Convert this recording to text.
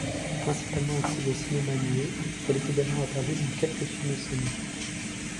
Principalement active au cinéma muet, elle est également apparue dans quelques films sonores.